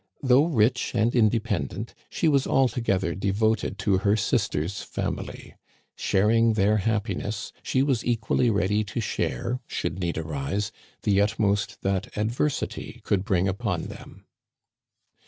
Though rich and independent, she was alto gether devoted to her sister's family. Sharing their hap piness, she was equally ready to share, should need arise, the utmost that adversity could bring upon them.